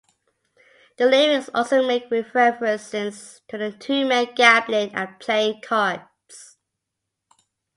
They lyrics also make references to the two men gambling at playing cards.